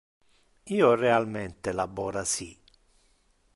Io realmente labora ci.